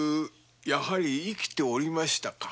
やはり生きておりましたか？